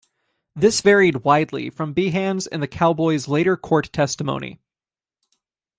This varied widely from Behan's and the Cowboys' later court testimony.